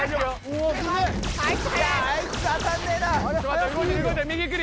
あいつ当たんねえな。